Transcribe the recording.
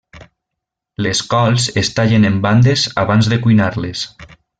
Les cols es tallen en bandes abans de cuinar-les.